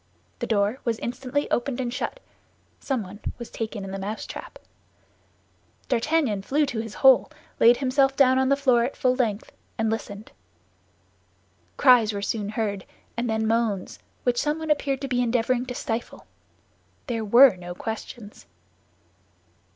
The door was instantly opened and shut; someone was taken in the mousetrap. D'Artagnan flew to his hole, laid himself down on the floor at full length, and listened. Cries were soon heard, and then moans, which someone appeared to be endeavoring to stifle. There were no questions.